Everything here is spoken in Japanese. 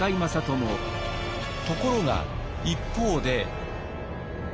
ところが一方で。